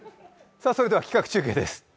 それでは企画中継です。